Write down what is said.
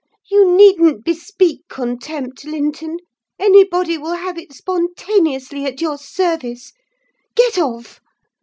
You needn't bespeak contempt, Linton: anybody will have it spontaneously at your service. Get off!